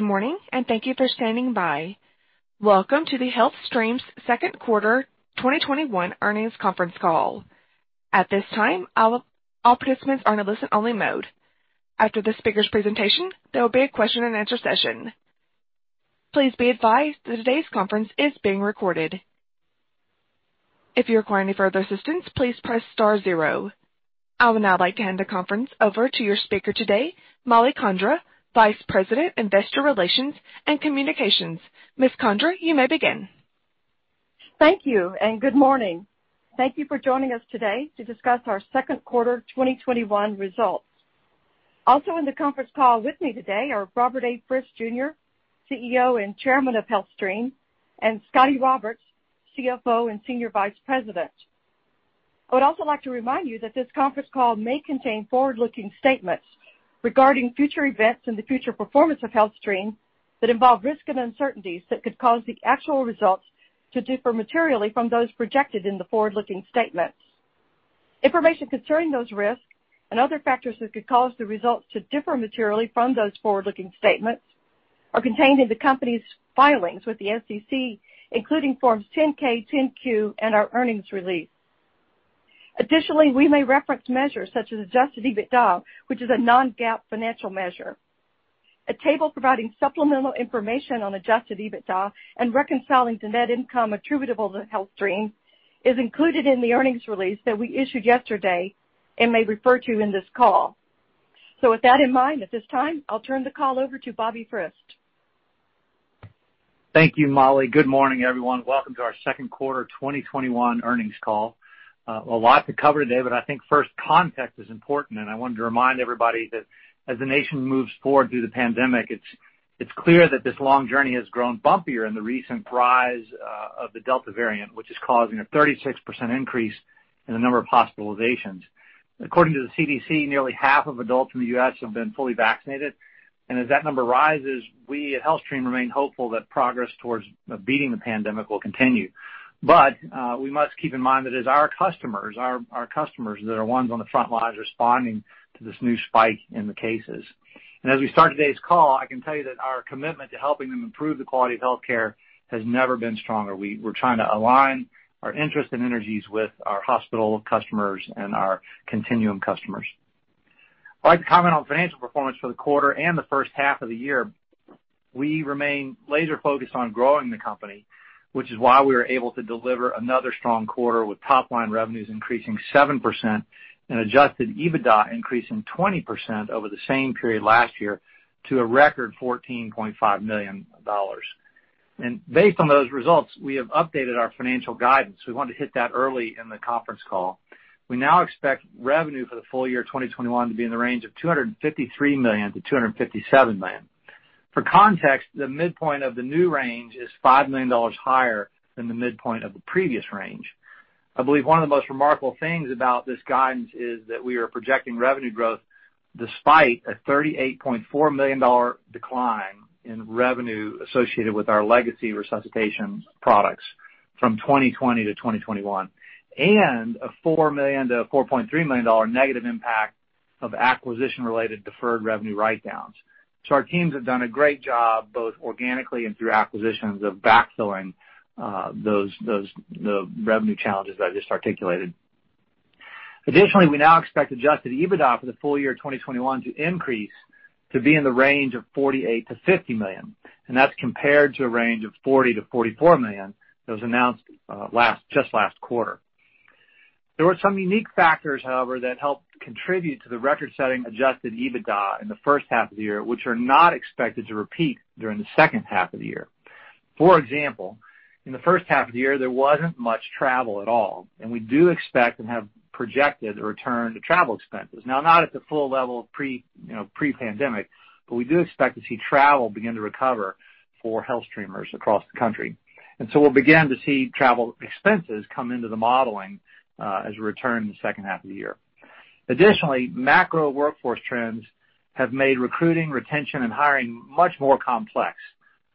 Good morning. Thank you for standing by. Welcome to the HealthStream's second quarter 2021 earnings conference call. At this time, all participants are in a listen only mode. After the speaker's presentation, there will be a question and answer session. Please be advised that today's conference is being recorded. I would now like to hand the conference over to your speaker today, Mollie Condra, Vice President, Investor Relations and Communications. Ms. Condra, you may begin. Thank you. Good morning. Thank you for joining us today to discuss our second quarter 2021 results. Also in the conference call with me today are Robert A. Frist Jr., CEO and Chairman of HealthStream, and Scotty Roberts, CFO and Senior Vice President. I would also like to remind you that this conference call may contain forward-looking statements regarding future events and the future performance of HealthStream that involve risk and uncertainties that could cause the actual results to differ materially from those projected in the forward-looking statements. Information concerning those risks and other factors that could cause the results to differ materially from those forward-looking statements are contained in the company's filings with the SEC, including forms 10-K, 10-Q and our earnings release. Additionally, we may reference measures such as adjusted EBITDA, which is a non-GAAP financial measure. A table providing supplemental information on adjusted EBITDA and reconciling to net income attributable to HealthStream is included in the earnings release that we issued yesterday and may refer to in this call. With that in mind, at this time, I'll turn the call over to Bobby Frist. Thank you, Mollie. Good morning, everyone. Welcome to our second quarter 2021 earnings call. A lot to cover today, but I think first context is important, and I wanted to remind everybody that as the nation moves forward through the pandemic, it's clear that this long journey has grown bumpier in the recent rise of the Delta variant, which is causing a 36% increase in the number of hospitalizations. According to the CDC, nearly half of adults in the U.S. have been fully vaccinated, and as that number rises, we at HealthStream remain hopeful that progress towards beating the pandemic will continue. We must keep in mind that it is our customers that are ones on the front lines responding to this new spike in the cases. As we start today's call, I can tell you that our commitment to helping them improve the quality of healthcare has never been stronger. We're trying to align our interests and energies with our hospital customers and our continuum customers. I'd like to comment on financial performance for the quarter and the first half of the year. We remain laser focused on growing the company, which is why we were able to deliver another strong quarter with top line revenues increasing 7% and adjusted EBITDA increasing 20% over the same period last year to a record $14.5 million. Based on those results, we have updated our financial guidance. We wanted to hit that early in the conference call. We now expect revenue for the full year 2021 to be in the range of $253 million-$257 million. For context, the midpoint of the new range is $5 million higher than the midpoint of the previous range. I believe one of the most remarkable things about this guidance is that we are projecting revenue growth despite a $38.4 million decline in revenue associated with our legacy resuscitation products from 2020 to 2021, and a $4 million-$4.3 million negative impact of acquisition related deferred revenue write downs. Our teams have done a great job, both organically and through acquisitions, of backfilling the revenue challenges that I just articulated. Additionally, we now expect adjusted EBITDA for the full year 2021 to increase to be in the range of $48 million-$50 million, and that's compared to a range of $40 million-$44 million that was announced just last quarter. There were some unique factors, however, that helped contribute to the record-setting adjusted EBITDA in the first half of the year, which are not expected to repeat during the second half of the year. For example, in the first half of the year, there wasn't much travel at all, and we do expect and have projected a return to travel expenses. Now, not at the full level of pre-pandemic, but we do expect to see travel begin to recover for HealthStreamers across the country. We'll begin to see travel expenses come into the modeling as we return in the second half of the year. Additionally, macro workforce trends have made recruiting, retention, and hiring much more complex.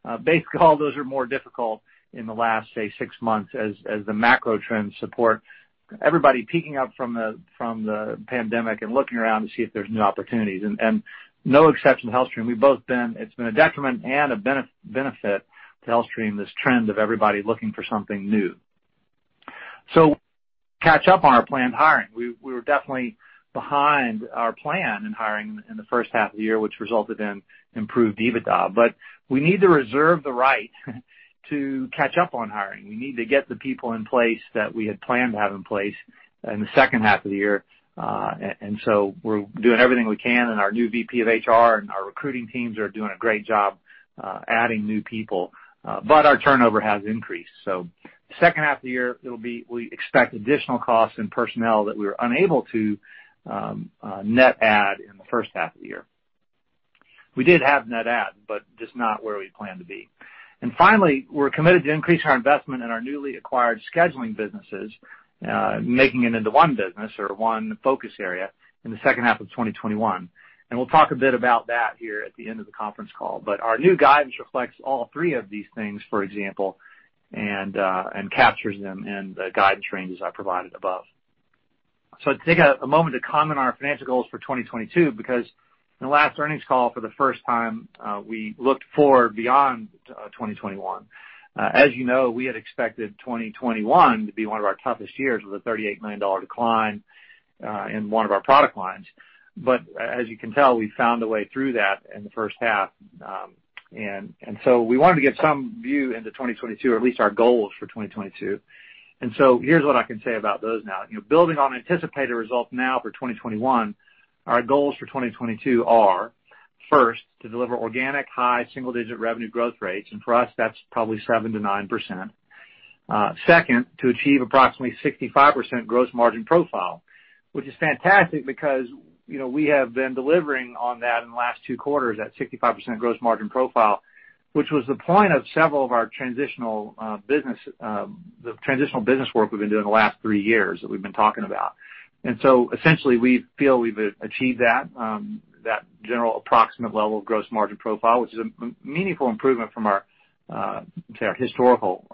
All those are more difficult in the last, say, six months as the macro trends support everybody peeking out from the pandemic and looking around to see if there's new opportunities, and no exception to HealthStream. It's been a detriment and a benefit to HealthStream, this trend of everybody looking for something new. Catch up on our planned hiring. We were definitely behind our plan in hiring in the first half of the year, which resulted in improved EBITDA, but we need to reserve the right to catch up on hiring. We need to get the people in place that we had planned to have in place in the second half of the year. We're doing everything we can, and our new VP of HR and our recruiting teams are doing a great job adding new people. Our turnover has increased. The second half of the year, we expect additional costs and personnel that we were unable to net add in the first half of the year. We did have net add, but just not where we'd planned to be. Finally, we're committed to increase our investment in our newly acquired scheduling businesses, making it into one business or one focus area in the second half of 2021. We'll talk a bit about that here at the end of the conference call. Our new guidance reflects all three of these things, for example, and captures them in the guidance ranges I provided above. To take a moment to comment on our financial goals for 2022, because in the last earnings call for the first time, we looked forward beyond 2021. As you know, we had expected 2021 to be one of our toughest years with a $38 million decline, in one of our product lines. As you can tell, we found a way through that in the first half. We wanted to give some view into 2022, or at least our goals for 2022. Here's what I can say about those now. Building on anticipated results now for 2021, our goals for 2022 are, first, to deliver organic high single-digit revenue growth rates, and for us, that's probably 7%-9%. Second, to achieve approximately 65% gross margin profile, which is fantastic because we have been delivering on that in the last two quarters, that 65% gross margin profile, which was the point of several of our transitional business work we've been doing the last three years that we've been talking about. Essentially, we feel we've achieved that general approximate level of gross margin profile, which is a meaningful improvement from our historical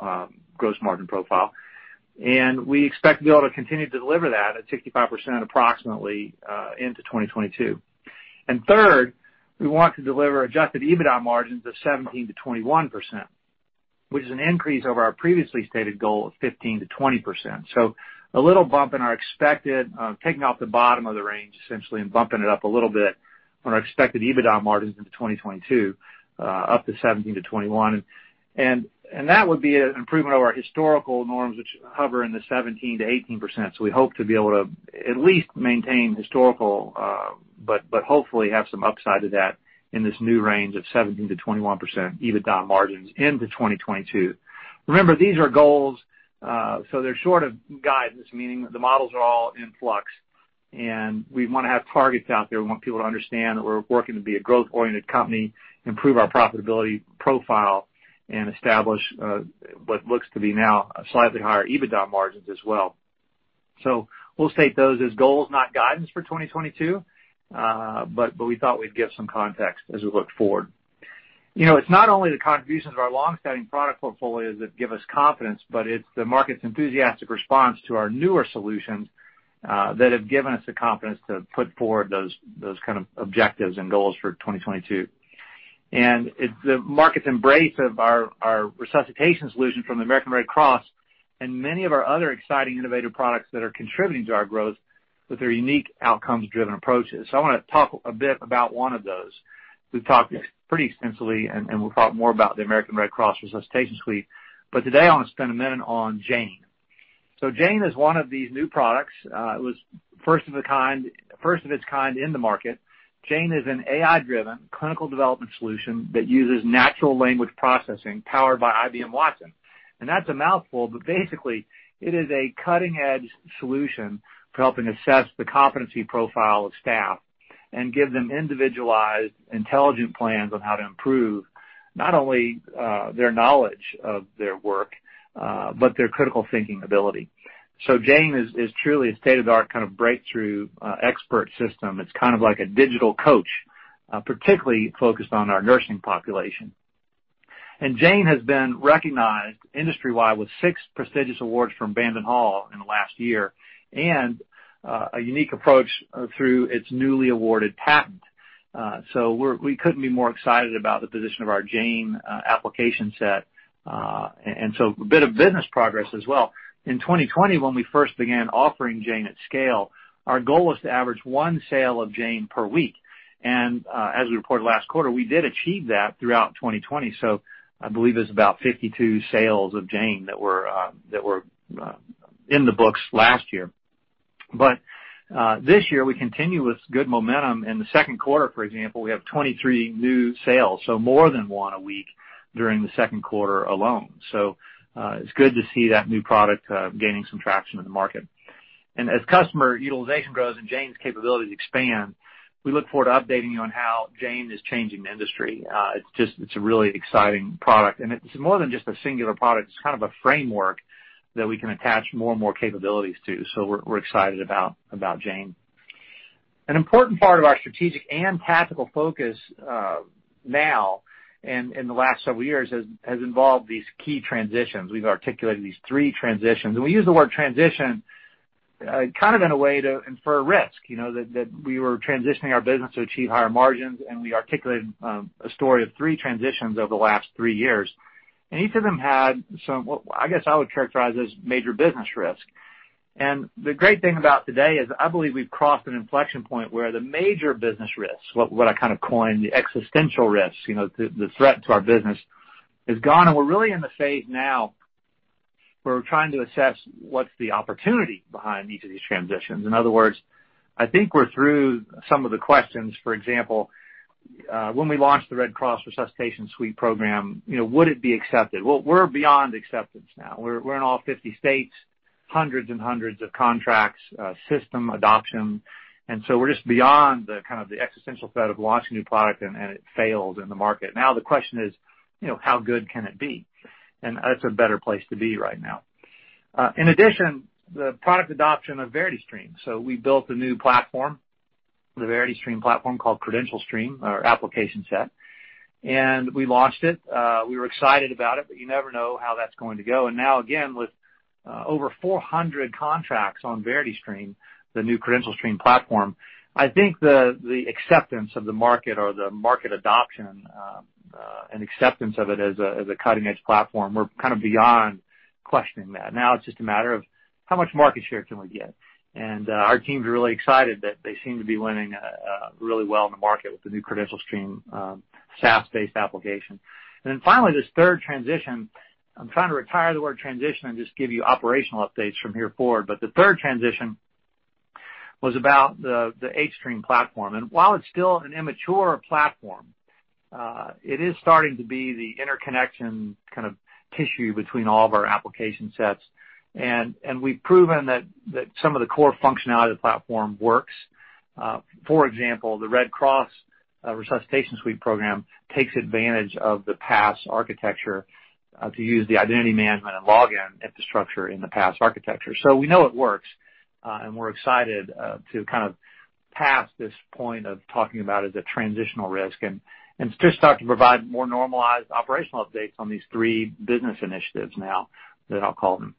gross margin profile. We expect to be able to continue to deliver that at 65% approximately, into 2022. Third, we want to deliver adjusted EBITDA margins of 17%-21%, which is an increase over our previously stated goal of 15%-20%. A little bump in our expected, taking off the bottom of the range, essentially, and bumping it up a little bit on our expected EBITDA margins into 2022, up to 17%-21%. That would be an improvement over our historical norms, which hover in the 17%-18%. We hope to be able to at least maintain historical, but hopefully have some upside to that in this new range of 17%-21% EBITDA margins into 2022. Remember, these are goals, so they're short of guidance, meaning that the models are all in flux, and we want to have targets out there. We want people to understand that we're working to be a growth-oriented company, improve our profitability profile, and establish what looks to be now slightly higher EBITDA margins as well. We'll state those as goals, not guidance for 2022. We thought we'd give some context as we look forward. It's not only the contributions of our long-standing product portfolios that give us confidence, but it's the market's enthusiastic response to our newer solutions that have given us the confidence to put forward those kind of objectives and goals for 2022. It's the market's embrace of our resuscitation solution from the American Red Cross and many of our other exciting innovative products that are contributing to our growth with their unique outcomes-driven approaches. I want to talk a bit about one of those. We've talked pretty extensively, and we'll talk more about the American Red Cross Resuscitation Suite, but today I want to spend a minute on Jane. Jane is one of these new products. It was first of its kind in the market. Jane is an AI-driven clinical development solution that uses natural language processing powered by IBM Watson. That's a mouthful, but basically, it is a cutting-edge solution for helping assess the competency profile of staff and give them individualized, intelligent plans on how to improve, not only their knowledge of their work, but their critical thinking ability. Jane is truly a state-of-the-art kind of breakthrough expert system. It's kind of like a digital coach, particularly focused on our nursing population. Jane has been recognized industry-wide with six prestigious awards from Brandon Hall in the last year and a unique approach through its newly awarded patent. We couldn't be more excited about the position of our Jane application set. A bit of business progress as well. In 2020, when we first began offering Jane at scale, our goal was to average one sale of Jane per week. As we reported last quarter, we did achieve that throughout 2020. I believe it was about 52 sales of Jane that were in the books last year. This year, we continue with good momentum. In the second quarter, for example, we have 23 new sales, so more than one a week during the second quarter alone. It's good to see that new product gaining some traction in the market. As customer utilization grows and Jane's capabilities expand, we look forward to updating you on how Jane is changing the industry. It's a really exciting product, and it's more than just a singular product. It's kind of a framework that we can attach more and more capabilities to. We're excited about Jane. An important part of our strategic and tactical focus now and in the last several years has involved these key transitions. We've articulated these three transitions, and we use the word transition kind of in a way to infer risk, that we were transitioning our business to achieve higher margins, and we articulated a story of three transitions over the last three years. Each of them had some, I guess I would characterize as major business risk. The great thing about today is I believe we've crossed an inflection point where the major business risks, what I kind of coined the existential risks, the threat to our business, is gone, and we're really in the phase now where we're trying to assess what's the opportunity behind each of these transitions. In other words, I think we're through some of the questions. For example, when we launched the Red Cross Resuscitation Suite program, would it be accepted? Well, we're beyond acceptance now. We're in all 50 states, hundreds and hundreds of contracts, system adoption, and so we're just beyond the kind of the existential threat of launching a new product and it fails in the market. Now the question is, how good can it be? That's a better place to be right now. In addition, the product adoption of VerityStream. We built a new platform, the VerityStream platform called CredentialStream, our application set. We launched it. We were excited about it, but you never know how that's going to go. Now again, with over 400 contracts on VerityStream, the new CredentialStream platform, I think the acceptance of the market or the market adoption and acceptance of it as a cutting-edge platform, we're kind of beyond questioning that. Now it's just a matter of how much market share can we get? Our team's really excited that they seem to be winning really well in the market with the new CredentialStream, SaaS-based application. Finally, this third transition, I'm trying to retire the word transition and just give you operational updates from here forward. The third transition was about the hStream platform. While it's still an immature platform, it is starting to be the interconnection kind of tissue between all of our application sets. We've proven that some of the core functionality of the platform works. For example, the Red Cross Resuscitation Suite program takes advantage of the PaaS architecture to use the identity management and login infrastructure in the PaaS architecture. We know it works, and we're excited to kind of pass this point of talking about it as a transitional risk and just start to provide more normalized operational updates on these three business initiatives now than I'll call them.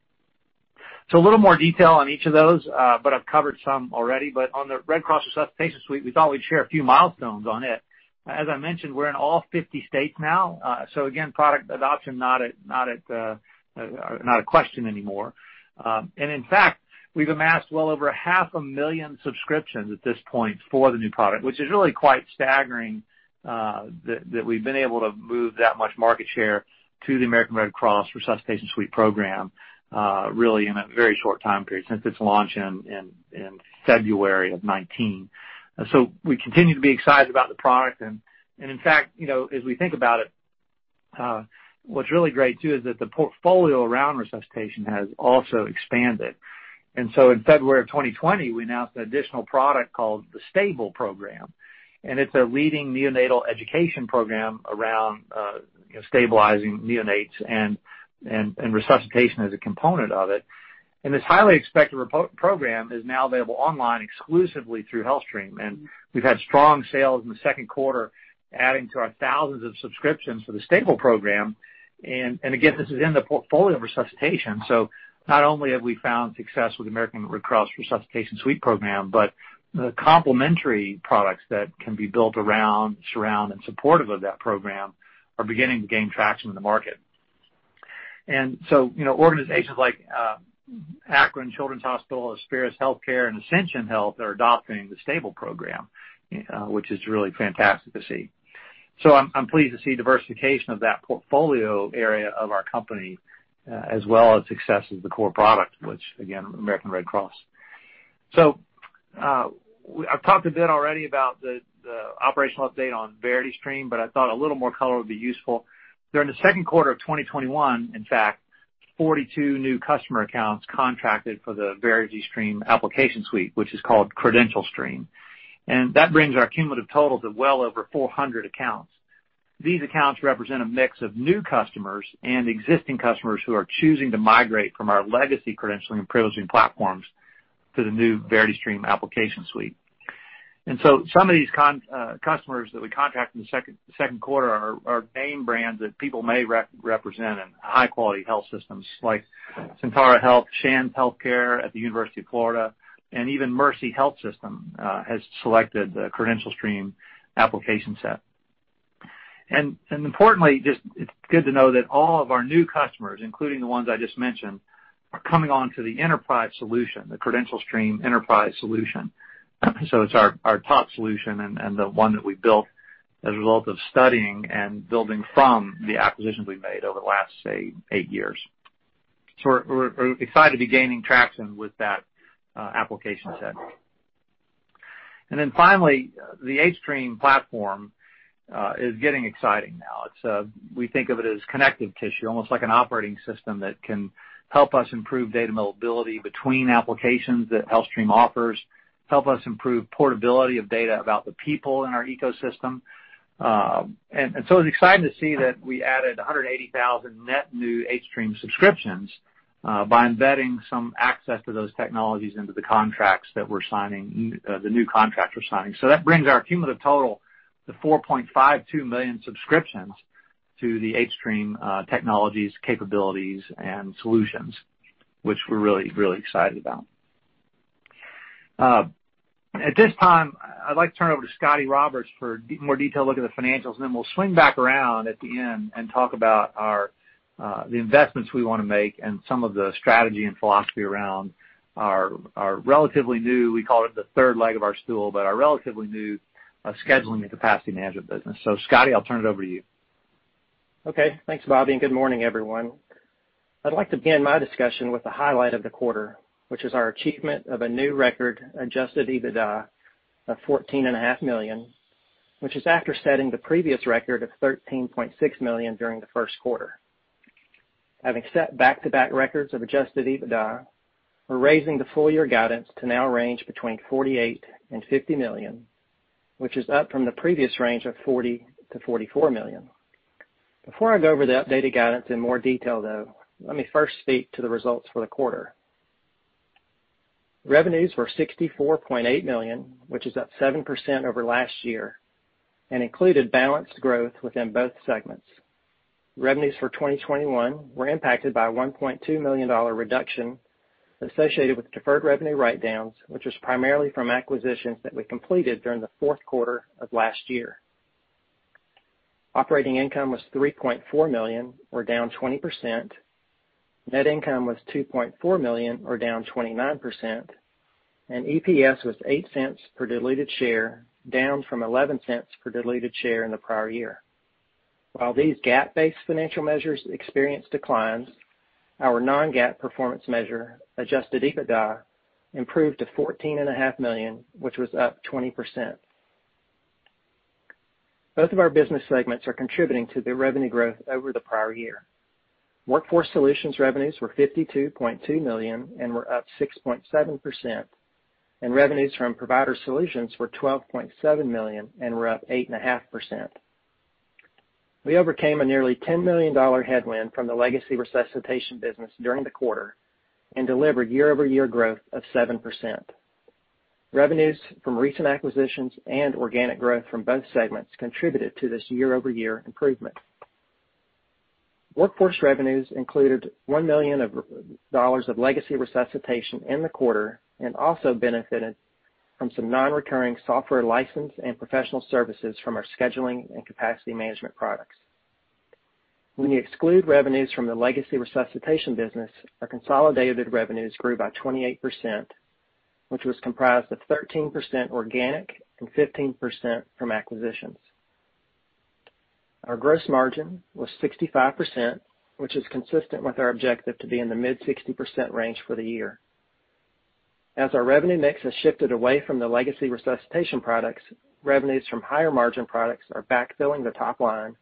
A little more detail on each of those, but I've covered some already. On the Red Cross Resuscitation Suite, we thought we'd share a few milestones on it. As I mentioned, we're in all 50 states now, again, product adoption, not a question anymore. We've amassed well over half a million subscriptions at this point for the new product, which is really quite staggering, that we've been able to move that much market share to the American Red Cross Resuscitation Suite program really in a very short time period since its launch in February of 2019. We continue to be excited about the product. As we think about it, what's really great too is that the portfolio around resuscitation has also expanded. In February of 2020, we announced an additional product called the S.T.A.B.L.E. Program, and it's a leading neonatal education program around stabilizing neonates and resuscitation as a component of it. This highly expected program is now available online exclusively through HealthStream. We've had strong sales in the second quarter, adding to our thousands of subscriptions for the S.T.A.B.L.E. Program. Again, this is in the portfolio of resuscitation. Not only have we found success with American Red Cross Resuscitation Suite program, but the complementary products that can be built around, surround, and supportive of that program are beginning to gain traction in the market. Organizations like Akron Children's Hospital, Aspirus Health, and Ascension are adopting the S.T.A.B.L.E. Program, which is really fantastic to see. I'm pleased to see diversification of that portfolio area of our company, as well as success of the core product, which again, American Red Cross. I've talked a bit already about the operational update on VerityStream, but I thought a little more color would be useful. During the second quarter of 2021, in fact, 42 new customer accounts contracted for the VerityStream application suite, which is called CredentialStream. That brings our cumulative totals of well over 400 accounts. These accounts represent a mix of new customers and existing customers who are choosing to migrate from our legacy credentialing and privileging platforms to the new VerityStream application suite. Some of these customers that we contracted in the second quarter are name brands that people may represent in high-quality health systems like Sentara Health, Shands Healthcare at the University of Florida, and even Mercy Health System has selected the CredentialStream application set. Importantly, just, it's good to know that all of our new customers, including the ones I just mentioned, are coming onto the enterprise solution, the CredentialStream enterprise solution. It's our top solution and the one that we built as a result of studying and building from the acquisitions we've made over the last, say, eight years. We're excited to be gaining traction with that application set. Finally, the hStream platform is getting exciting now. We think of it as connective tissue, almost like an operating system that can help us improve data mobility between applications that HealthStream offers, help us improve portability of data about the people in our ecosystem. It's exciting to see that we added 180,000 net new hStream subscriptions by embedding some access to those technologies into the contracts that we're signing, the new contracts we're signing. That brings our cumulative total to 4.52 million subscriptions to the hStream technologies, capabilities, and solutions, which we're really excited about. At this time, I'd like to turn it over to Scotty Roberts for a more detailed look at the financials, and then we'll swing back around at the end and talk about the investments we want to make and some of the strategy and philosophy around our relatively new, we call it the third leg of our stool, but our relatively new scheduling and capacity management business. Scotty, I'll turn it over to you. Thanks, Bobby, and good morning, everyone. I'd like to begin my discussion with the highlight of the quarter, which is our achievement of a new record adjusted EBITDA of $14.5 million, which is after setting the previous record of $13.6 million during the first quarter. Having set back-to-back records of adjusted EBITDA, we're raising the full year guidance to now range between $48 million-$50 million, which is up from the previous range of $40 million-$44 million. Before I go over the updated guidance in more detail, though, let me first speak to the results for the quarter. Revenues were $64.8 million, which is up 7% over last year, and included balanced growth within both segments. Revenues for 2021 were impacted by a $1.2 million reduction associated with deferred revenue write-downs, which was primarily from acquisitions that we completed during the fourth quarter of last year. Operating income was $3.4 million, or down 20%. Net income was $2.4 million, or down 29%, and EPS was $0.08 per diluted share, down from $0.11 per diluted share in the prior year. While these GAAP-based financial measures experienced declines, our non-GAAP performance measure, adjusted EBITDA, improved to $14.5 million, which was up 20%. Both of our business segments are contributing to the revenue growth over the prior year. Workforce Solutions revenues were $52.2 million and were up 6.7%, and revenues from Provider Solutions were $12.7 million and were up 8.5%. We overcame a nearly $10 million headwind from the legacy resuscitation business during the quarter and delivered year-over-year growth of 7%. Revenues from recent acquisitions and organic growth from both segments contributed to this year-over-year improvement. Workforce revenues included $1 million of legacy resuscitation in the quarter and also benefited from some non-recurring software license and professional services from our scheduling and capacity management products. When you exclude revenues from the legacy resuscitation business, our consolidated revenues grew by 28%, which was comprised of 13% organic and 15% from acquisitions. Our gross margin was 65%, which is consistent with our objective to be in the mid-60% range for the year. As our revenue mix has shifted away from the legacy resuscitation products, revenues from higher margin products are backfilling the top line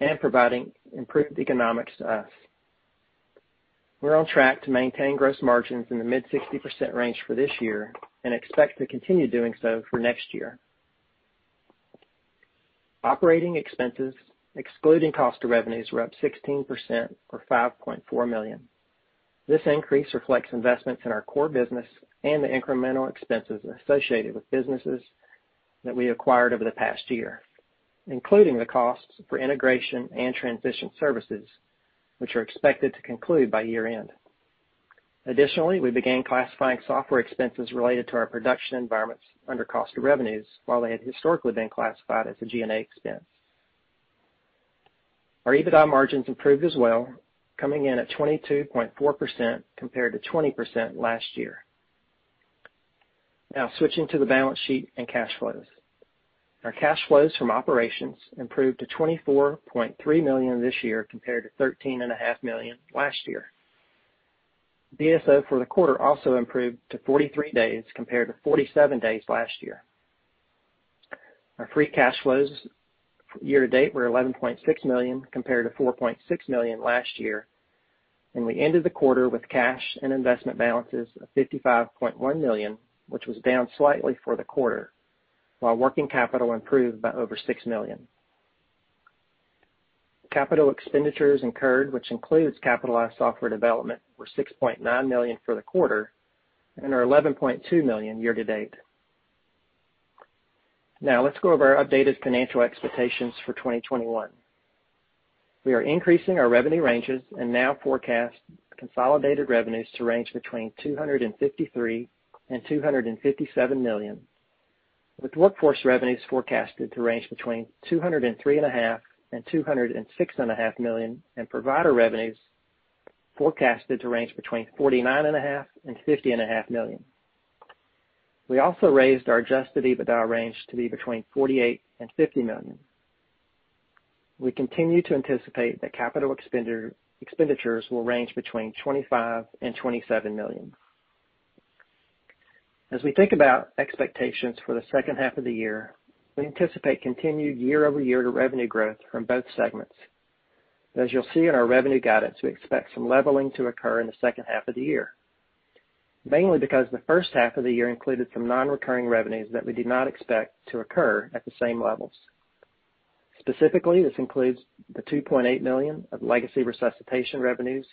and providing improved economics to us. We're on track to maintain gross margins in the mid-60% range for this year and expect to continue doing so for next year. Operating expenses, excluding cost of revenues, were up 16%, or $5.4 million. This increase reflects investments in our core business and the incremental expenses associated with businesses that we acquired over the past year, including the costs for integration and transition services, which are expected to conclude by year-end. Additionally, we began classifying software expenses related to our production environments under cost of revenues, while they had historically been classified as a G&A expense. Our EBITDA margins improved as well, coming in at 22.4% compared to 20% last year. Now, switching to the balance sheet and cash flows. Our cash flows from operations improved to $24.3 million this year compared to $13.5 million last year. DSO for the quarter also improved to 43 days compared to 47 days last year. Our free cash flows year to date were $11.6 million compared to $4.6 million last year, and we ended the quarter with cash and investment balances of $55.1 million, which was down slightly for the quarter, while working capital improved by over $6 million. Capital expenditures incurred, which includes capitalized software development, were $6.9 million for the quarter and are $11.2 million year to date. Let's go over our updated financial expectations for 2021. We are increasing our revenue ranges and now forecast consolidated revenues to range between $253 million-$257 million, with Workforce revenues forecasted to range between $203.5 million-$206.5 million, and Provider revenues forecasted to range between $49.5 million-$50.5 million. We also raised our adjusted EBITDA range to be between $48 million-$50 million. We continue to anticipate that capital expenditures will range between $25 million-$27 million. As we think about expectations for the second half of the year, we anticipate continued year-over-year revenue growth from both segments. As you'll see in our revenue guidance, we expect some leveling to occur in the second half of the year, mainly because the first half of the year included some non-recurring revenues that we did not expect to occur at the same levels. Specifically, this includes the $2.8 million of legacy resuscitation revenues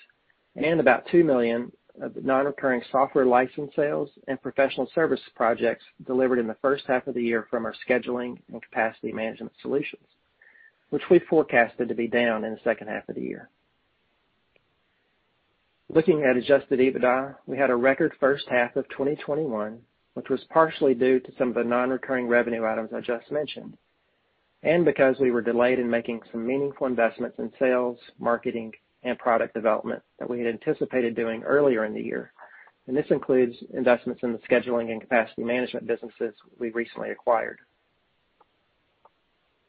and about $2 million of non-recurring software license sales and professional services projects delivered in the first half of the year from our scheduling and capacity management solutions, which we forecasted to be down in the second half of the year. Looking at adjusted EBITDA, we had a record first half of 2021, which was partially due to some of the non-recurring revenue items I just mentioned, and because we were delayed in making some meaningful investments in sales, marketing, and product development that we had anticipated doing earlier in the year. This includes investments in the scheduling and capacity management businesses we recently acquired.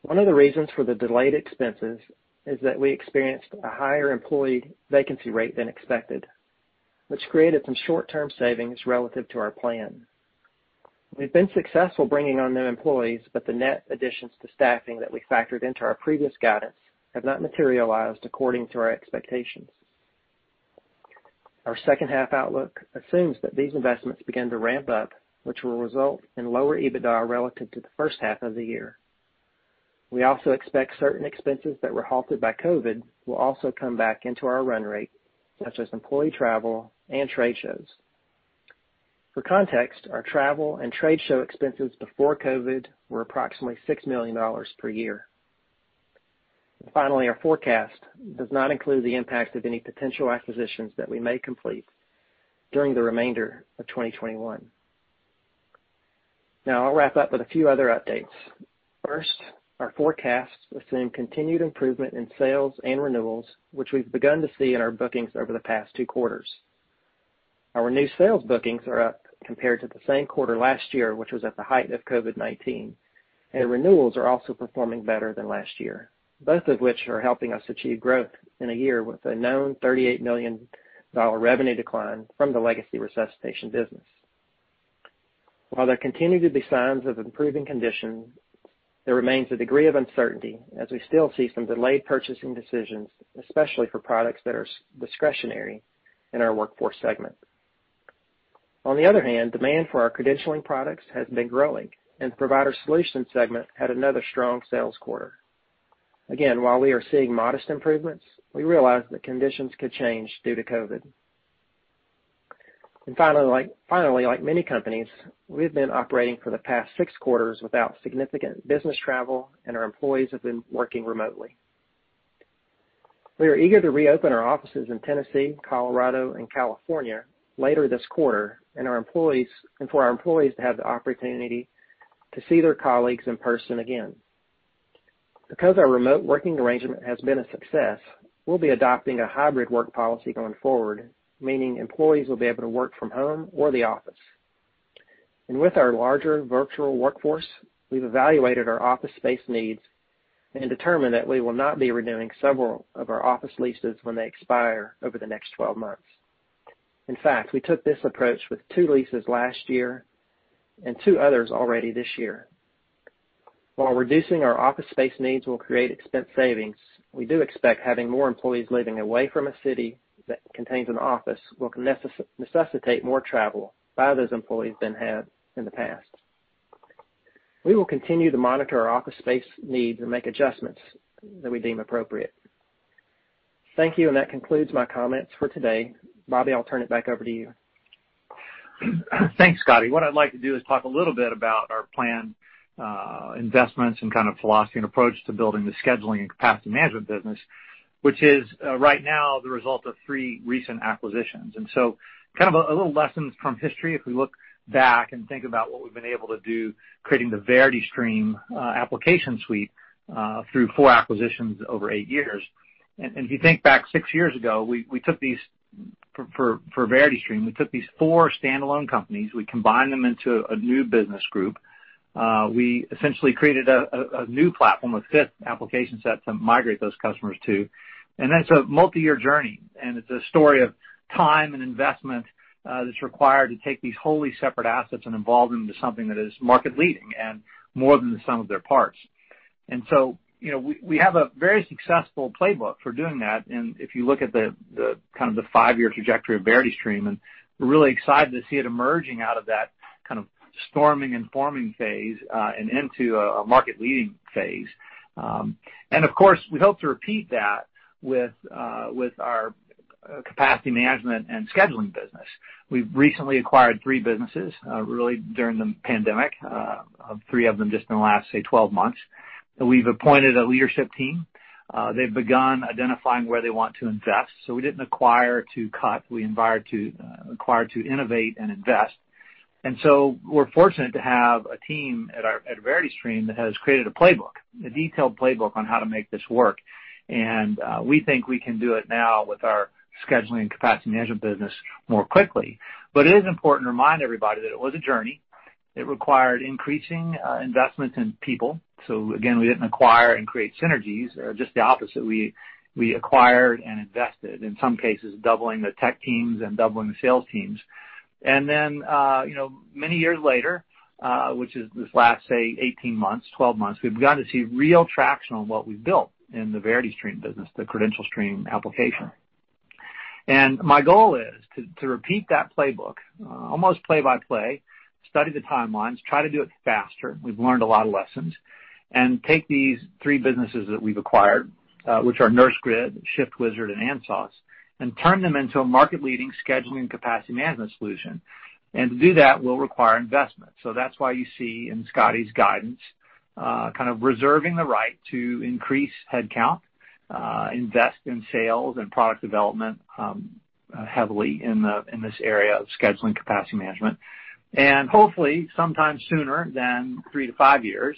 One of the reasons for the delayed expenses is that we experienced a higher employee vacancy rate than expected, which created some short-term savings relative to our plan. We've been successful bringing on new employees, but the net additions to staffing that we factored into our previous guidance have not materialized according to our expectations. Our second half outlook assumes that these investments begin to ramp up, which will result in lower EBITDA relative to the first half of the year. We also expect certain expenses that were halted by COVID-19 will also come back into our run rate, such as employee travel and trade shows. For context, our travel and trade show expenses before COVID-19 were approximately $6 million per year. Finally, our forecast does not include the impact of any potential acquisitions that we may complete during the remainder of 2021. Now, I'll wrap up with a few other updates. First, our forecasts assume continued improvement in sales and renewals, which we've begun to see in our bookings over the past two quarters. Our new sales bookings are up compared to the same quarter last year, which was at the height of COVID-19, and renewals are also performing better than last year, both of which are helping us achieve growth in a year with a known $38 million revenue decline from the legacy Red Cross Resuscitation Suite. While there continue to be signs of improving conditions, there remains a degree of uncertainty as we still see some delayed purchasing decisions, especially for products that are discretionary in our Workforce segment. On the other hand, demand for our credentialing products has been growing, and the Provider Solutions segment had another strong sales quarter. Again, while we are seeing modest improvements, we realize that conditions could change due to COVID. Finally, like many companies, we've been operating for the past six quarters without significant business travel, and our employees have been working remotely. We are eager to reopen our offices in Tennessee, Colorado, and California later this quarter, and for our employees to have the opportunity to see their colleagues in person again. Because our remote working arrangement has been a success, we'll be adopting a hybrid work policy going forward, meaning employees will be able to work from home or the office. With our larger virtual workforce, we've evaluated our office space needs and determined that we will not be renewing several of our office leases when they expire over the next 12 months. In fact, we took this approach with two leases last year and two others already this year. While reducing our office space needs will create expense savings, we do expect having more employees living away from a city that contains an office will necessitate more travel by those employees than have in the past. We will continue to monitor our office space needs and make adjustments that we deem appropriate. Thank you, and that concludes my comments for today. Bobby, I'll turn it back over to you. Thanks, Scotty. What I'd like to do is talk a little bit about our planned investments and kind of philosophy and approach to building the scheduling and capacity management business, which is right now the result of three recent acquisitions. Kind of a little lessons from history, if we look back and think about what we've been able to do, creating the VerityStream application suite through four acquisitions over eight years. If you think back six years ago, for VerityStream, we took these four standalone companies, we combined them into a new business group. We essentially created a new platform with fit application sets and migrate those customers too. That's a multiyear journey, and it's a story of time and investment that's required to take these wholly separate assets and evolve them to something that is market leading and more than the sum of their parts. We have a very successful playbook for doing that, and if you look at the five-year trajectory of VerityStream, and we're really excited to see it emerging out of that kind of storming and forming phase, and into a market leading phase. Of course, we hope to repeat that with our capacity management and scheduling business. We've recently acquired three businesses really during the pandemic, three of them just in the last, say, 12 months. We've appointed a leadership team. They've begun identifying where they want to invest. We didn't acquire to cut. We acquired to innovate and invest. We're fortunate to have a team at VerityStream that has created a playbook, a detailed playbook on how to make this work. We think we can do it now with our scheduling capacity management business more quickly. It is important to remind everybody that it was a journey. It required increasing investment in people. Again, we didn't acquire and create synergies. Just the opposite, we acquired and invested, in some cases, doubling the tech teams and doubling the sales teams. Then, many years later, which is this last, say, 18 months, 12 months, we've begun to see real traction on what we've built in the VerityStream business, the CredentialStream application. My goal is to repeat that playbook, almost play by play, study the timelines, try to do it faster, we've learned a lot of lessons, and take these three businesses that we've acquired, which are Nursegrid, ShiftWizard, and ANSOS, and turn them into a market leading scheduling capacity management solution. To do that will require investment. That's why you see in Scotty's guidance, kind of reserving the right to increase headcount, invest in sales and product development heavily in this area of scheduling capacity management. Hopefully, sometime sooner than three to five years,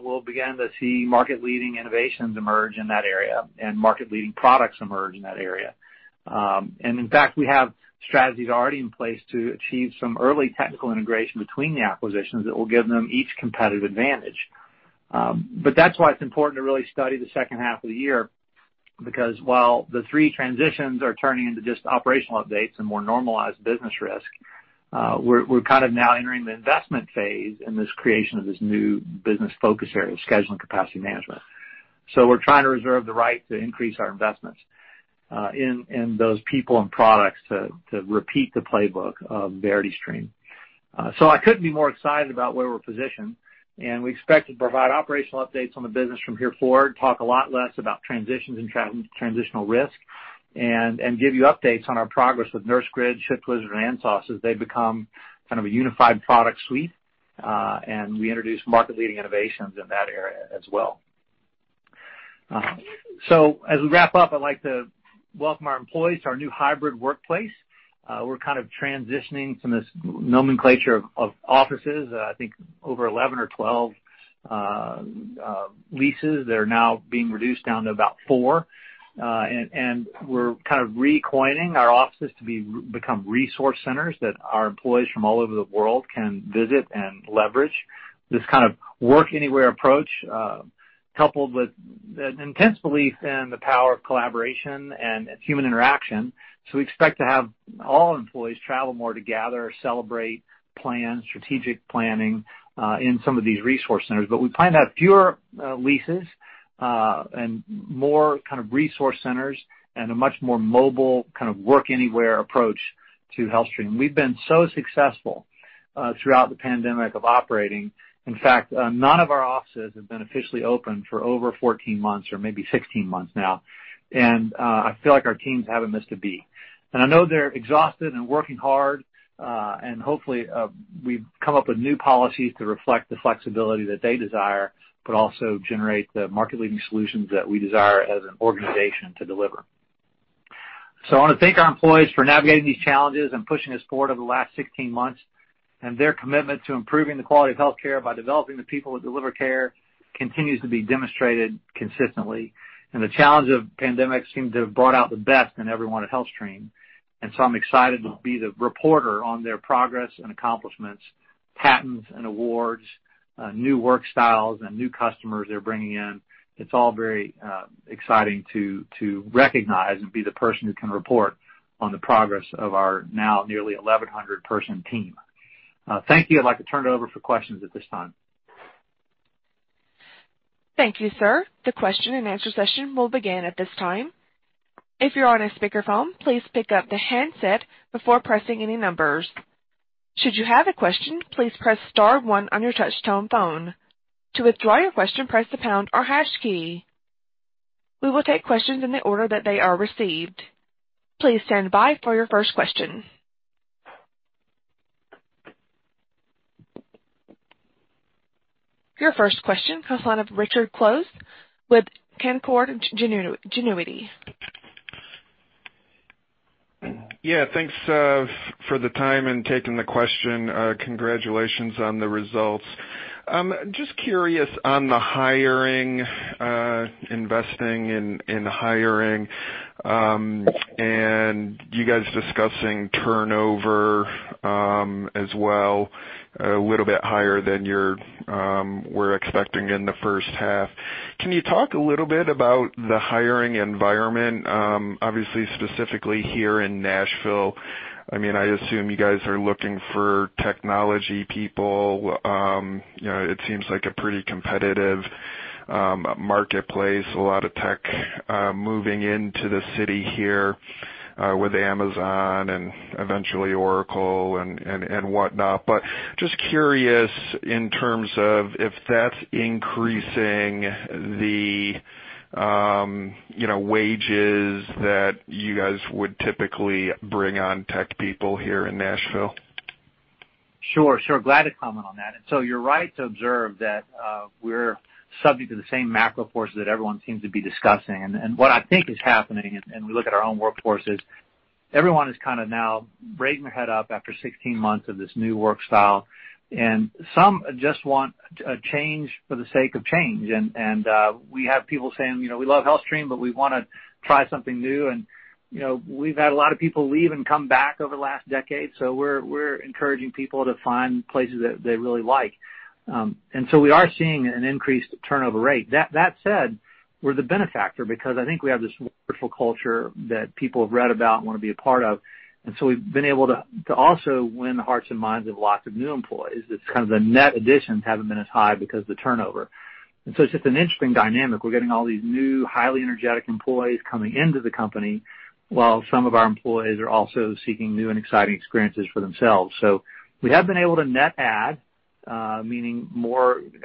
we'll begin to see market leading innovations emerge in that area and market leading products emerge in that area. In fact, we have strategies already in place to achieve some early technical integration between the acquisitions that will give them each competitive advantage. That's why it's important to really study the second half of the year, because while the three transitions are turning into just operational updates and more normalized business risk. We're now entering the investment phase in this creation of this new business focus area, scheduling capacity management. We're trying to reserve the right to increase our investments in those people and products to repeat the playbook of VerityStream. I couldn't be more excited about where we're positioned, and we expect to provide operational updates on the business from here forward, talk a lot less about transitions and transitional risk, and give you updates on our progress with Nursegrid, ShiftWizard, and ANSOS as they become kind of a unified product suite, and we introduce market-leading innovations in that area as well. As we wrap up, I'd like to welcome our employees to our new hybrid workplace. We're kind of transitioning from this nomenclature of offices. I think over 11 or 12 leases that are now being reduced down to about four. We're kind of re-coining our offices to become resource centers that our employees from all over the world can visit and leverage. This kind of work anywhere approach, coupled with an intense belief in the power of collaboration and human interaction. We expect to have all employees travel more to gather, celebrate, plan, strategic planning, in some of these resource centers. We plan to have fewer leases, and more kind of resource centers, and a much more mobile kind of work anywhere approach to HealthStream. We've been so successful throughout the pandemic of operating. In fact, none of our offices have been officially open for over 14 months or maybe 16 months now, and I feel like our teams haven't missed a beat. I know they're exhausted and working hard, and hopefully, we've come up with new policies to reflect the flexibility that they desire, but also generate the market-leading solutions that we desire as an organization to deliver. I want to thank our employees for navigating these challenges and pushing us forward over the last 16 months. Their commitment to improving the quality of healthcare by developing the people who deliver care continues to be demonstrated consistently. The challenge of pandemic seemed to have brought out the best in everyone at HealthStream. I'm excited to be the reporter on their progress and accomplishments, patents and awards, new work styles, and new customers they're bringing in. It's all very exciting to recognize and be the person who can report on the progress of our now nearly 1,100-person team. Thank you. I'd like to turn it over for questions at this time. Your first question comes on of Richard Close with Canaccord Genuity. Yeah. Thanks for the time and taking the question. Congratulations on the results. Just curious on the hiring, investing in hiring, and you guys discussing turnover, as well, a little bit higher than you were expecting in the first half. Can you talk a little bit about the hiring environment? Obviously, specifically here in Nashville, I assume you guys are looking for technology people. It seems like a pretty competitive marketplace, a lot of tech moving into the city here, with Amazon and eventually Oracle and whatnot. Just curious in terms of if that's increasing the wages that you guys would typically bring on tech people here in Nashville. Sure. Glad to comment on that. You're right to observe that we're subject to the same macro forces that everyone seems to be discussing. What I think is happening, and we look at our own workforce, is everyone is kind of now raising their head up after 16 months of this new work style, and some just want change for the sake of change. We have people saying, "We love HealthStream, but we want to try something new." We've had a lot of people leave and come back over the last decade, so we're encouraging people to find places that they really like. We are seeing an increased turnover rate. That said, we're the benefactor because I think we have this wonderful culture that people have read about and want to be a part of. We've been able to also win the hearts and minds of lots of new employees. It's kind of the net additions haven't been as high because the turnover. It's just an interesting dynamic. We're getting all these new, highly energetic employees coming into the company while some of our employees are also seeking new and exciting experiences for themselves. We have been able to net add, meaning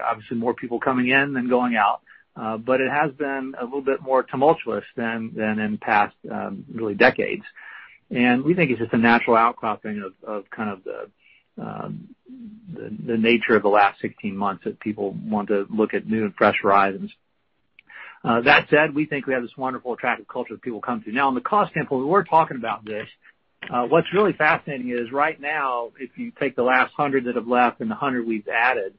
obviously more people coming in than going out. It has been a little bit more tumultuous than in past really decades. We think it's just a natural outcropping of kind of the nature of the last 16 months that people want to look at new and fresh horizons. That said, we think we have this wonderful, attractive culture that people come to. On the cost sample, we were talking about this. What's really fascinating is right now, if you take the last 100 that have left and the 100 we've added,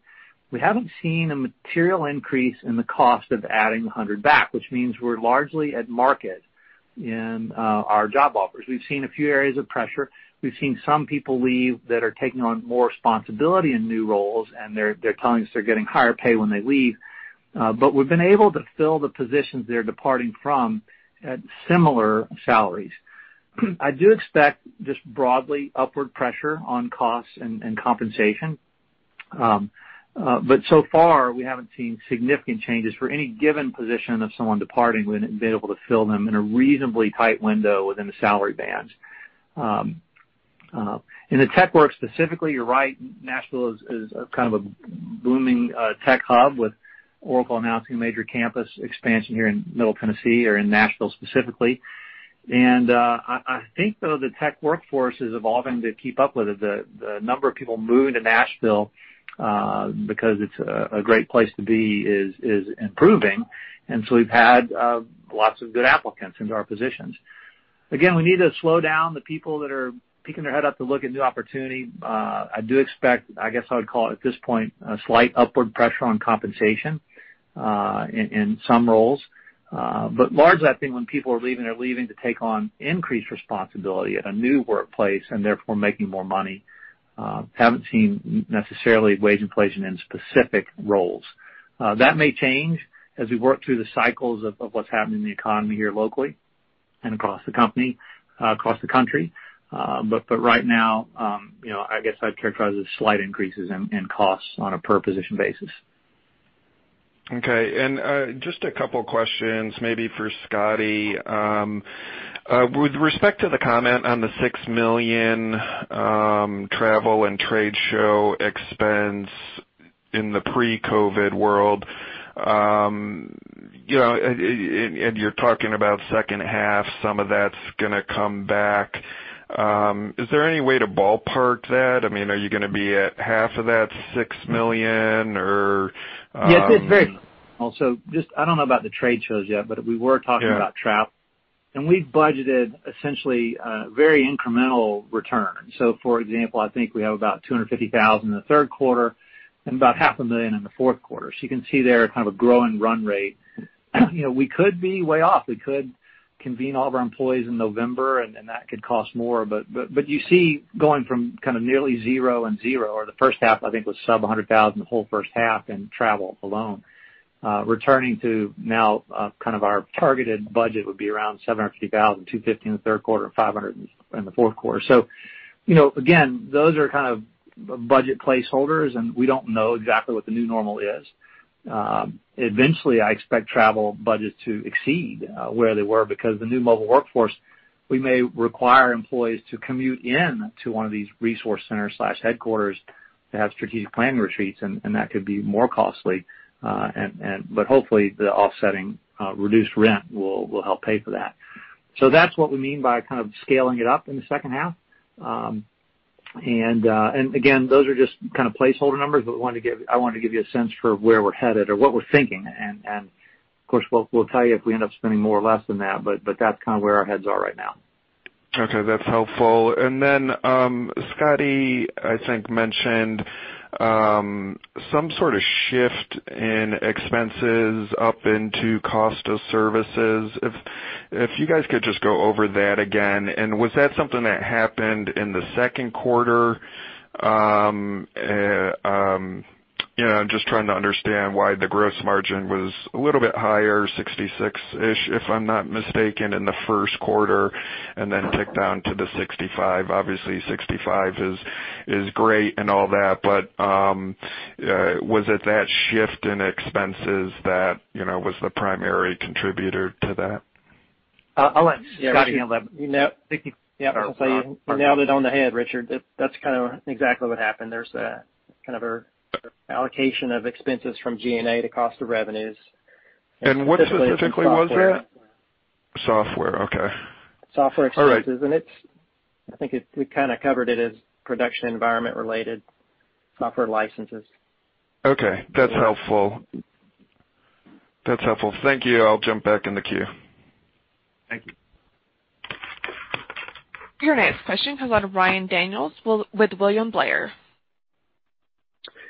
we haven't seen a material increase in the cost of adding 100 back, which means we're largely at market in our job offers. We've seen a few areas of pressure. We've seen some people leave that are taking on more responsibility in new roles, and they're telling us they're getting higher pay when they leave. We've been able to fill the positions they're departing from at similar salaries. I do expect just broadly upward pressure on costs and compensation. So far, we haven't seen significant changes for any given position of someone departing. We've been able to fill them in a reasonably tight window within the salary bands. In the tech work specifically, you're right, Nashville is kind of a booming tech hub with Oracle announcing a major campus expansion here in middle Tennessee or in Nashville specifically. I think, though, the tech workforce is evolving to keep up with it. The number of people moving to Nashville because it's a great place to be is improving, and so we've had lots of good applicants into our positions. Again, we need to slow down the people that are peeking their head up to look at new opportunity. I do expect, I guess I would call it at this point, a slight upward pressure on compensation in some roles. Largely, I think when people are leaving, they're leaving to take on increased responsibility at a new workplace and therefore making more money. Haven't seen necessarily wage inflation in specific roles. That may change as we work through the cycles of what's happening in the economy here locally and across the company, across the country. Right now, I guess I'd characterize it as slight increases in costs on a per position basis. Okay. Just a couple questions maybe for Scotty. With respect to the comment on the $6 million travel and trade show expense in the pre-COVID world, and you're talking about second half, some of that's going to come back. Is there any way to ballpark that? Are you going to be at half of that $6 million? Yes. I don't know about the trade shows yet. Yeah We were talking about travel. We budgeted essentially a very incremental return. For example, I think we have about $250,000 in the third quarter and about half a million in the fourth quarter. You can see there kind of a grow and run rate. We could be way off. We could convene all of our employees in November, that could cost more. You see going from kind of nearly zero and zero, or the first half, I think, was sub $100,000 the whole first half in travel alone. Returning to now kind of our targeted budget would be around $750,000, $250,000 in the third quarter, $500,000 in the fourth quarter. Again, those are budget placeholders, and we don't know exactly what the new normal is. Eventually, I expect travel budgets to exceed where they were because the new mobile workforce, we may require employees to commute in to one of these resource centers/headquarters to have strategic planning retreats, and that could be more costly. Hopefully, the offsetting reduced rent will help pay for that. That's what we mean by kind of scaling it up in the second half. Again, those are just kind of placeholder numbers, but I wanted to give you a sense for where we're headed or what we're thinking. Of course, we'll tell you if we end up spending more or less than that, but that's kind of where our heads are right now. Okay, that's helpful. Scotty, I think, mentioned some sort of shift in expenses up into cost of services. If you guys could just go over that again. Was that something that happened in the second quarter? Just trying to understand why the gross margin was a little bit higher, 66%-ish, if I'm not mistaken, in the first quarter, and then ticked down to the 65%. Obviously, 65% is great and all that, was it that shift in expenses that was the primary contributor to that? I'll let Scotty handle that. Yeah. I was going to say, you nailed it on the head, Richard. That's kind of exactly what happened. There's a kind of allocation of expenses from G&A to cost of revenues. What specifically was that? Software. Software. Okay. Software expenses. All right. I think we kind of covered it as production environment related software licenses. Okay. That's helpful. Thank you. I'll jump back in the queue. Thank you. Your next question comes out of Ryan Daniels with William Blair.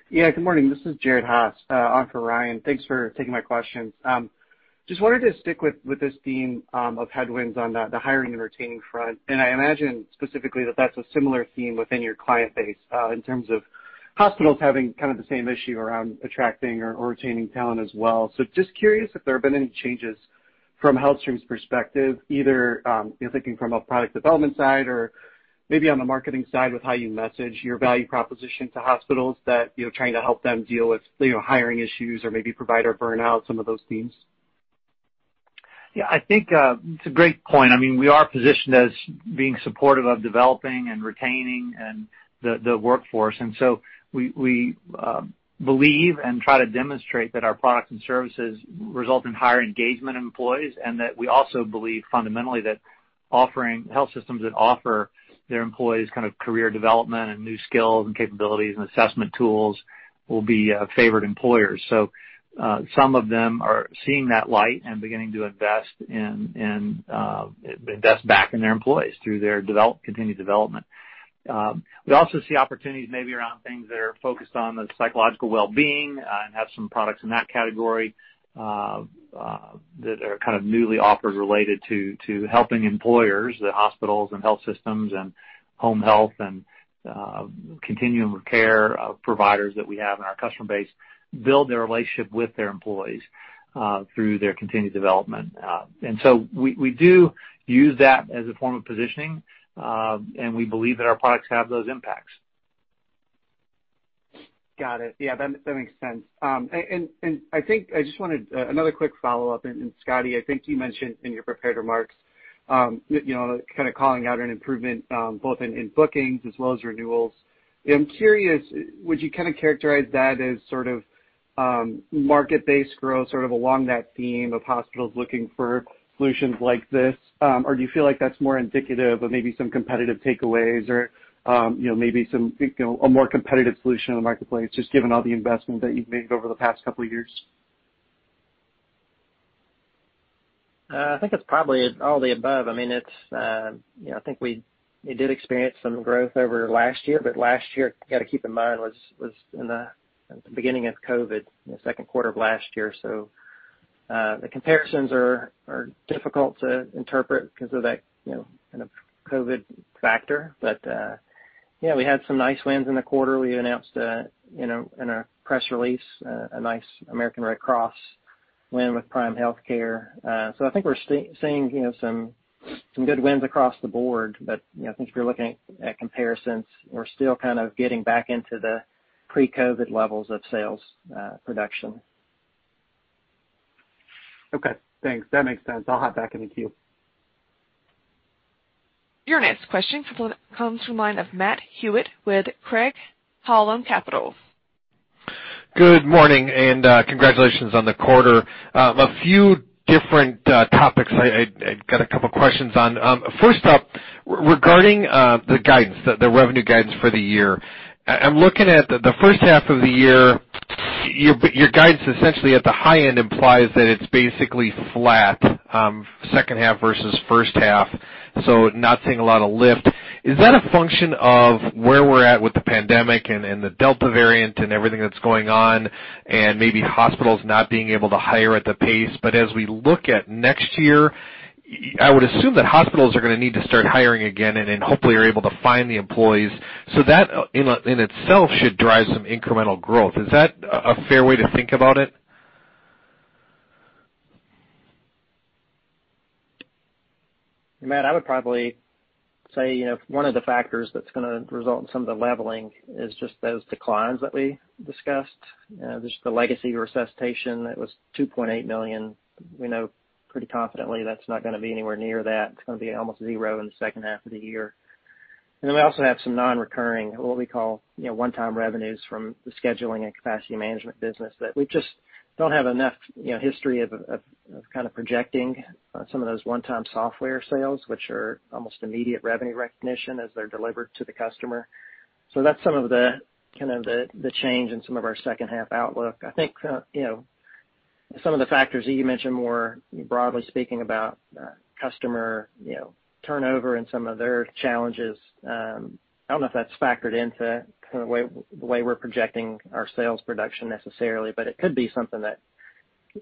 Yeah, good morning. This is Jared Haase on for Ryan. Thanks for taking my questions. Just wanted to stick with this theme of headwinds on the hiring and retaining front. I imagine specifically that that's a similar theme within your client base in terms of hospitals having kind of the same issue around attracting or retaining talent as well. Just curious if there have been any changes from HealthStream's perspective, either thinking from a product development side or maybe on the marketing side with how you message your value proposition to hospitals that you're trying to help them deal with hiring issues or maybe provider burnout, some of those themes. Yeah, I think it's a great point. We are positioned as being supportive of developing and retaining the workforce. We believe and try to demonstrate that our products and services result in higher engagement in employees, and that we also believe fundamentally that offering health systems that offer their employees career development and new skills and capabilities and assessment tools will be favored employers. Some of them are seeing that light and beginning to invest back in their employees through their continued development. We also see opportunities maybe around things that are focused on the psychological well-being and have some products in that category that are newly offered related to helping employers, the hospitals and health systems and home health and continuum of care providers that we have in our customer base build their relationship with their employees through their continued development. We do use that as a form of positioning, and we believe that our products have those impacts. Got it. Yeah, that makes sense. I think I just wanted another quick follow-up. Scotty, I think you mentioned in your prepared remarks, calling out an improvement both in bookings as well as renewals. I'm curious, would you characterize that as market-based growth sort of along that theme of hospitals looking for solutions like this? Or do you feel like that's more indicative of maybe some competitive takeaways or maybe a more competitive solution in the marketplace, just given all the investment that you've made over the past couple of years? I think it's probably all the above. I think we did experience some growth over last year, but last year, got to keep in mind, was in the beginning of COVID, in the second quarter of last year. The comparisons are difficult to interpret because of that COVID factor. Yeah, we had some nice wins in the quarter. We announced in our press release a nice American Red Cross win with Prime Healthcare. I think we're seeing some good wins across the board. I think if you're looking at comparisons, we're still getting back into the pre-COVID levels of sales production. Okay, thanks. That makes sense. I'll hop back in the queue. Your next question comes from the line of Matt Hewitt with Craig-Hallum Capital. Good morning, and congratulations on the quarter. A few different topics I've got a couple questions on. First up, regarding the revenue guidance for the year. I'm looking at the first half of the year, your guidance essentially at the high end implies that it's basically flat, second half versus first half. Not seeing a lot of lift. Is that a function of where we're at with the pandemic and the Delta variant and everything that's going on and maybe hospitals not being able to hire at the pace, but as we look at next year, I would assume that hospitals are going to need to start hiring again and then hopefully are able to find the employees. That in itself should drive some incremental growth. Is that a fair way to think about it? Matt, I would probably say one of the factors that's going to result in some of the leveling is just those declines that we discussed, just the legacy resuscitation that was $2.8 million. We know pretty confidently that's not going to be anywhere near that. It's going to be almost zero in the second half of the year. We also have some non-recurring, what we call one-time revenues from the scheduling and capacity management business that we just don't have enough history of kind of projecting some of those one-time software sales, which are almost immediate revenue recognition as they're delivered to the customer. That's some of the change in some of our second half outlook. I think some of the factors that you mentioned more broadly speaking about customer turnover and some of their challenges, I don't know if that's factored into the way we're projecting our sales production necessarily, but it could be something that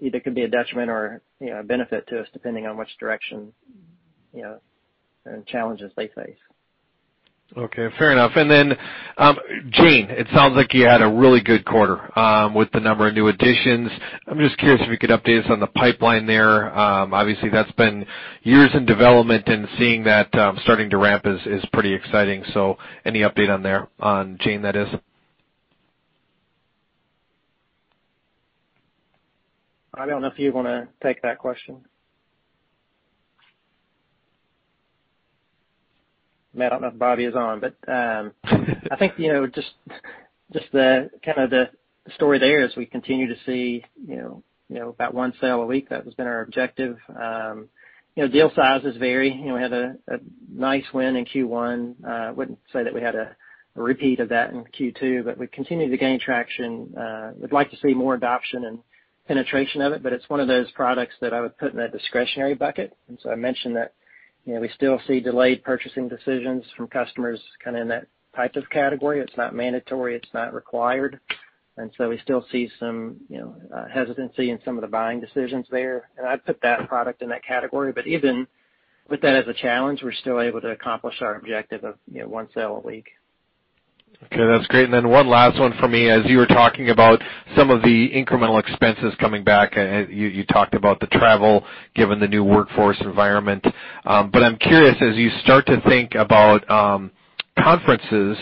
either could be a detriment or a benefit to us, depending on which direction and challenges they face. Okay, fair enough. Jane, it sounds like you had a really good quarter with the number of new additions. I'm just curious if you could update us on the pipeline there. Obviously that's been years in development and seeing that starting to ramp is pretty exciting. Any update on there, on Jane that is? I don't know if you want to take that question. Matt, I don't know if Bobby is on, but I think just the story there is we continue to see about one sale a week. That has been our objective. Deal sizes vary. We had a nice win in Q1. Wouldn't say that we had a repeat of that in Q2, but we continue to gain traction. We'd like to see more adoption and penetration of it, but it's one of those products that I would put in that discretionary bucket. I mentioned that we still see delayed purchasing decisions from customers in that type of category. It's not mandatory, it's not required. We still see some hesitancy in some of the buying decisions there. I'd put that product in that category, but even with that as a challenge, we're still able to accomplish our objective of one sale a week. Okay, that's great. One last one for me. As you were talking about some of the incremental expenses coming back, you talked about the travel given the new workforce environment. I'm curious, as you start to think about conferences,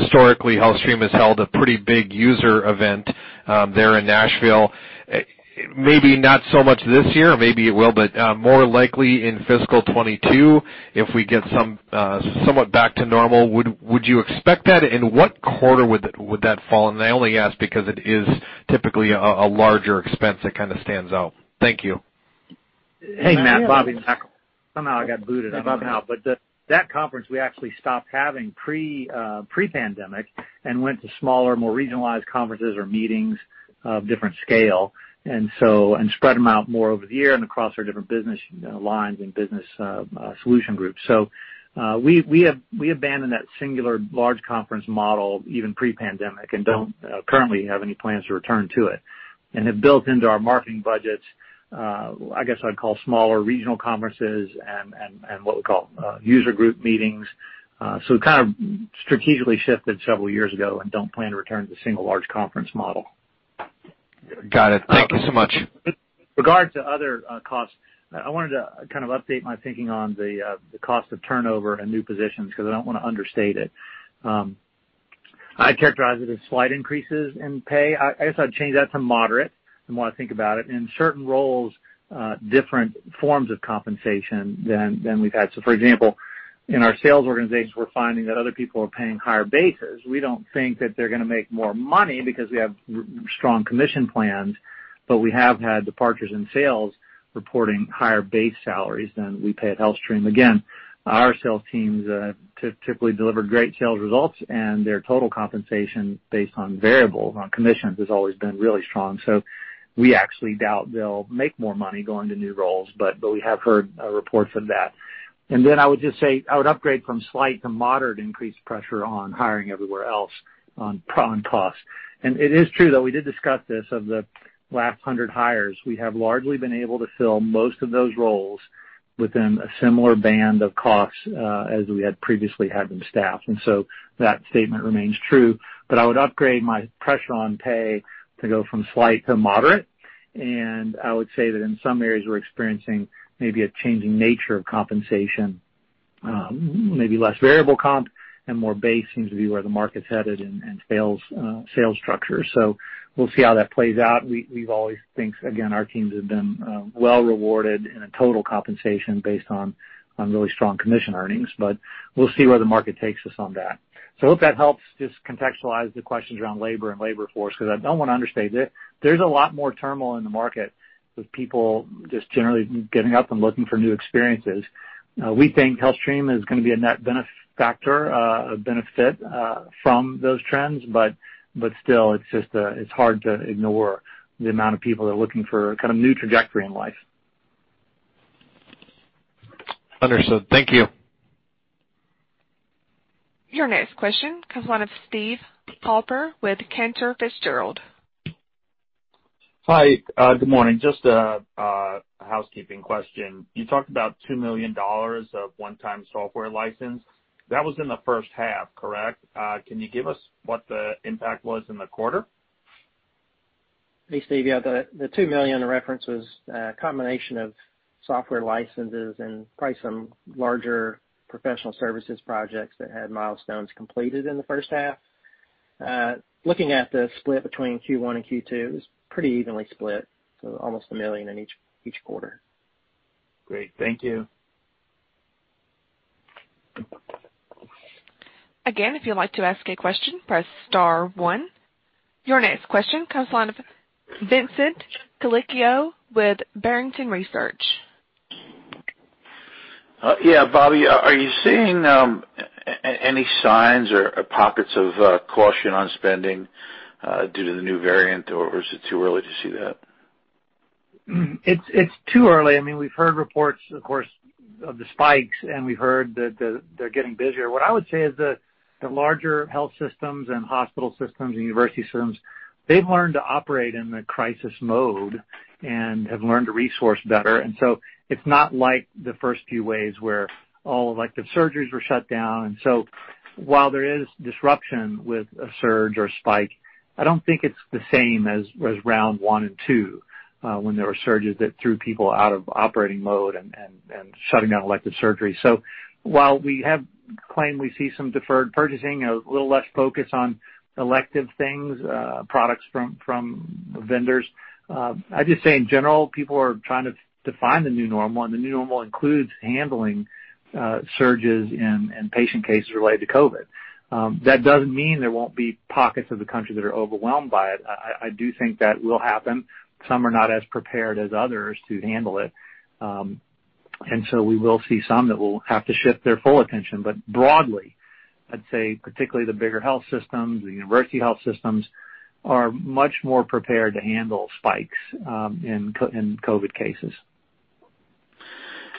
historically HealthStream has held a pretty big user event there in Nashville. Maybe not so much this year, maybe it will, more likely in fiscal 2022, if we get somewhat back to normal, would you expect that? In what quarter would that fall? I only ask because it is typically a larger expense that stands out. Thank you. Hey, Matt, Bobby Frist. Somehow I got booted. I don't know how. That conference we actually stopped having pre-pandemic and went to smaller, more regionalized conferences or meetings of different scale and spread them out more over the year and across our different business lines and business solution groups. We abandoned that singular large conference model even pre-pandemic and don't currently have any plans to return to it and have built into our marketing budgets I guess I'd call smaller regional conferences and what we call user group meetings. Kind of strategically shifted several years ago and don't plan to return to single large conference model. Got it. Thank you so much. With regard to other costs, I wanted to update my thinking on the cost of turnover and new positions because I don't want to understate it. I'd characterize it as slight increases in pay. I guess I'd change that to moderate, the more I think about it. In certain roles, different forms of compensation than we've had. For example, in our sales organization, we're finding that other people are paying higher bases. We don't think that they're going to make more money because we have strong commission plans, but we have had departures in sales reporting higher base salaries than we pay at HealthStream. Again, our sales teams have typically delivered great sales results, and their total compensation based on variables, on commissions, has always been really strong. We actually doubt they'll make more money going to new roles, but we have heard reports of that. I would just say, I would upgrade from slight to moderate increased pressure on hiring everywhere else on costs. It is true, though, we did discuss this, of the last 100 hires, we have largely been able to fill most of those roles within a similar band of costs as we had previously had them staffed. That statement remains true, but I would upgrade my pressure on pay to go from slight to moderate. I would say that in some areas we're experiencing maybe a changing nature of compensation, maybe less variable comp and more base seems to be where the market's headed in sales structure. We'll see how that plays out. We've always think, again, our teams have been well rewarded in a total compensation based on really strong commission earnings. We'll see where the market takes us on that. I hope that helps just contextualize the questions around labor and labor force, because I don't want to understate. There's a lot more turmoil in the market with people just generally getting up and looking for new experiences. We think HealthStream is going to be a net factor, a benefit from those trends. Still, it's hard to ignore the amount of people that are looking for new trajectory in life. Understood. Thank you. Your next question comes one of Steve Halper with Cantor Fitzgerald. Hi. Good morning. Just a housekeeping question. You talked about $2 million of one-time software license. That was in the first half, correct? Can you give us what the impact was in the quarter? Hey, Steve. Yeah, the $2 million in reference was a combination of software licenses and probably some larger professional services projects that had milestones completed in the first half. Looking at the split between Q1 and Q2, it was pretty evenly split, so almost $1 million in each quarter. Great. Thank you. Again, if you'd like to ask a question, press star one. Your next question comes the line of Vincent Colicchio with Barrington Research. Yeah. Bobby, are you seeing any signs or pockets of caution on spending due to the new variant, or is it too early to see that? It's too early. We've heard reports, of course, of the spikes, and we've heard that they're getting busier. What I would say is that the larger health systems and hospital systems and university systems, they've learned to operate in the crisis mode and have learned to resource better. It's not like the first few waves where all elective surgeries were shut down. While there is disruption with a surge or spike, I don't think it's the same as round one and two, when there were surges that threw people out of operating mode and shutting down elective surgery. While we have claimed we see some deferred purchasing, a little less focus on elective things, products from vendors, I'd just say in general, people are trying to define the new normal, and the new normal includes handling surges and patient cases related to COVID. That doesn't mean there won't be pockets of the country that are overwhelmed by it. I do think that will happen. Some are not as prepared as others to handle it. We will see some that will have to shift their full attention. Broadly, I'd say particularly the bigger health systems, the university health systems, are much more prepared to handle spikes in COVID cases.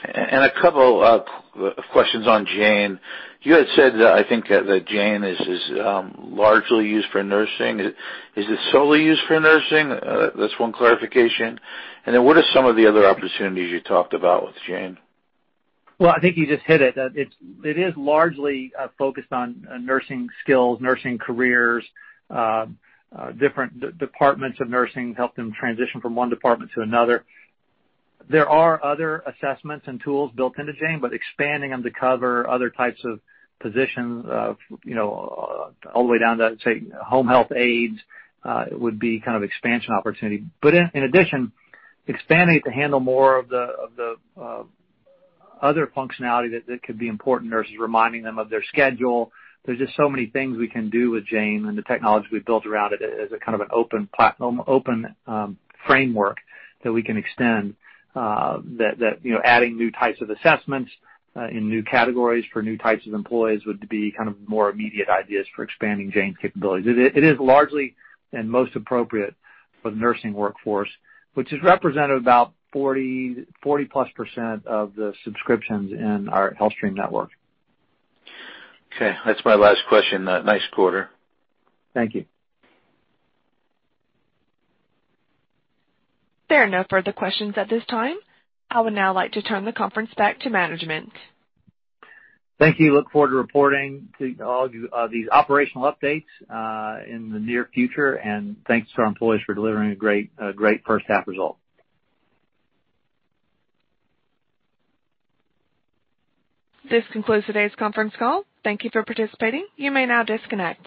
A couple of questions on Jane. You had said, I think, that Jane is largely used for nursing. Is it solely used for nursing? That's one clarification. What are some of the other opportunities you talked about with Jane? Well, I think you just hit it. It is largely focused on nursing skills, nursing careers, different departments of nursing, help them transition from one department to another. There are other assessments and tools built into Jane. Expanding them to cover other types of positions all the way down to, say, home health aides, would be expansion opportunity. In addition, expanding it to handle more of the other functionality that could be important, nurses reminding them of their schedule. There's just so many things we can do with Jane and the technology we've built around it as a kind of an open framework that we can extend, that adding new types of assessments and new categories for new types of employees would be more immediate ideas for expanding Jane's capabilities. It is largely and most appropriate for the nursing workforce, which has represented about 40%+ of the subscriptions in our HealthStream network. Okay. That's my last question. Nice quarter. Thank you. There are no further questions at this time. I would now like to turn the conference back to management. Thank you. Look forward to reporting all of these operational updates in the near future. Thanks to our employees for delivering a great first half result. This concludes today's conference call. Thank you for participating. You may now disconnect.